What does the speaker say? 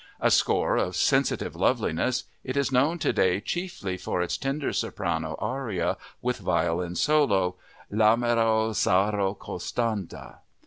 A score of sensitive loveliness, it is known today chiefly for its tender soprano aria with violin solo, "L'amero, saro costante."